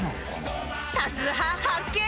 ［多数派発見。